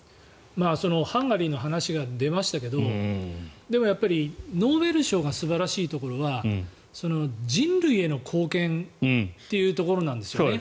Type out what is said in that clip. ハンガリーの話が出ましたけどでも、やっぱりノーベル賞が素晴らしいところは人類への貢献っていうところなんですよね。